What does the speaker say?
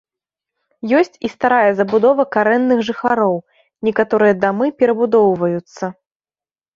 Ёсць і старая забудова карэнных жыхароў, некаторыя дамы перабудоўваюцца.